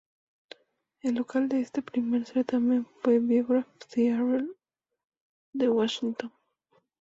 El local de este primer certamen fue el Biograph Theater de Washington.